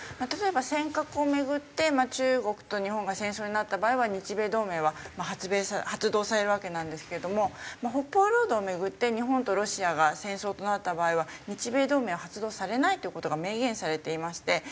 例えば尖閣を巡って中国と日本が戦争になった場合は日米同盟は発動されるわけなんですけれども北方領土を巡って日本とロシアが戦争となった場合は日米同盟は発動されないという事が明言されていまして。